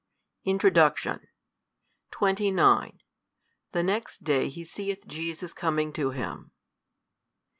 [Introduction] 29 The next day he seeth Jesus coming to him.